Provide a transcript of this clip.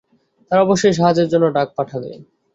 তারা অবশ্যই সাহায্যের জন্য ডাক পাঠাবে।